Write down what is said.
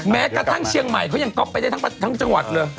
แม้กระทั่งเชียงใหม่เขายังก๊อปไปได้ทั้งจังหวัดเลย